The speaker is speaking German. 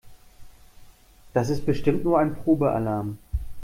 Das ist bestimmt nur ein Probealarm.